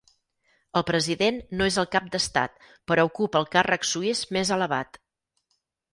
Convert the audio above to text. El President no és el cap d'Estat, però ocupa el càrrec suís més elevat.